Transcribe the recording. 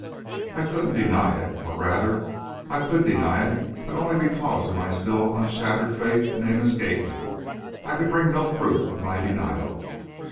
I couldn't deny it, or, rather, I could deny it, but only because of my still unshattered faith in Amos Gately. I could bring no proof of my denial.